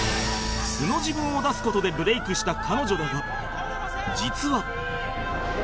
素の自分を出す事でブレイクした彼女だが実は